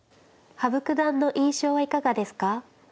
羽生九段の印象はいかがですか。